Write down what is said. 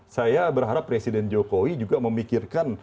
saya berharap presiden jokowi juga memikirkan